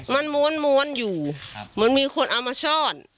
มันม้วนอยู่เหมือนมีคนเอามาซ่อน